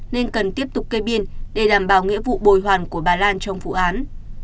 nên cần tiếp tục cây biên để đảm bảo nghĩa vụ bồi hoàng của bà lan trong vụ án